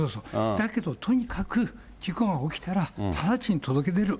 だけどとにかく、事故が起きたら直ちに届け出る。